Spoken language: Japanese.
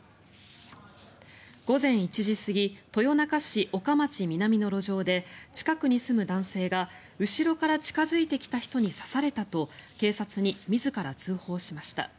午前１時過ぎ豊中市岡町南の路上で近くに住む男性が後ろから近付いてきた人に刺されたと警察に自ら通報しました。